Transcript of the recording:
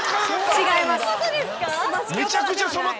違いますよ。